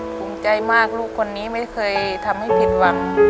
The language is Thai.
ภูมิใจมากลูกคนนี้ไม่เคยทำให้ผิดหวัง